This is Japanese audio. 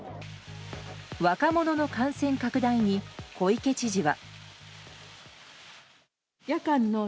若者の感染拡大に小池知事は。